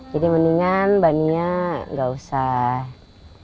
jadi mendingan mbak nia gak usah